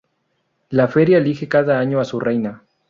La feria elige cada año a su reina.